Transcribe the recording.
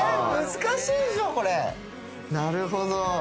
なるほど。